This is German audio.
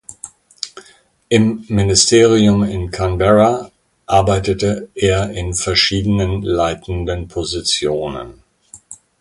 Im Ministerium in Canberra arbeitete er in verschiedenen leitenden Positionen.